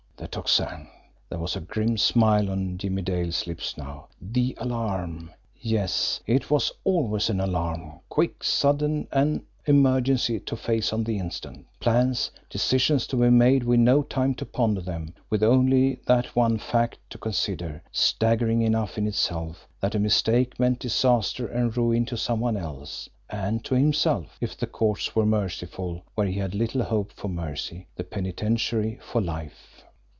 The Tocsin! There was a grim smile on Jimmie Dale's lips now. The alarm! Yes, it was always an alarm, quick, sudden, an emergency to face on the instant plans, decisions to be made with no time to ponder them, with only that one fact to consider, staggering enough in itself, that a mistake meant disaster and ruin to some one else, and to himself, if the courts were merciful where he had little hope for mercy, the penitentiary for life!